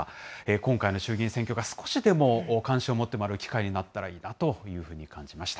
今回の衆議院選挙が少しでも関心を持ってもらう機会になったらいいなというふうに感じました。